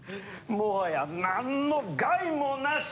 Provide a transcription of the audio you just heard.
もはやなんの害もなし！